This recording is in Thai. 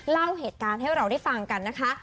เล่าเหตุการณ์ให้เราได้ฟังกันนะคะ